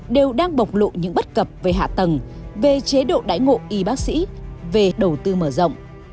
đều đang bộc lộ những bất cập về hạ tầng về chế độ đái ngộ y bác sĩ về đầu tư mở rộng